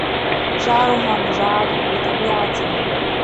شعرها مجعد بطبيعته.